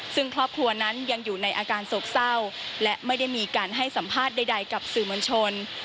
ซึ่งครอบครัวนั้นยังอยู่ในอาการโศกเศร้าและไม่ได้มีการให้สัมภาษณ์ใดกับสื่อมวลชน